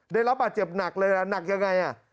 ได้รับบัตรเจ็บหนักเลยละหนักยังไงอ่ะ